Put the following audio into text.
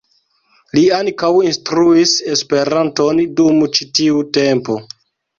Li ankaŭ instruis Esperanton dum ĉi tiu tempo.